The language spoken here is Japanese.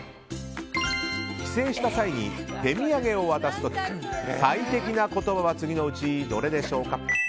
帰省した際に手土産を渡す時最適な言葉は次のうちどれでしょうか？